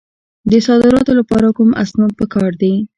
د صادراتو لپاره کوم اسناد پکار دي؟